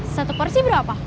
satu porsi berapa